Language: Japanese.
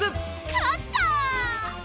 かった！